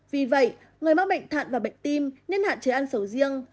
vì vậy người mắc bệnh thận và bệnh tim nên hạn chế ăn sầu riêng